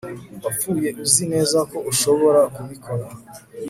Wapfuye uzi neza ko ushobora kubikora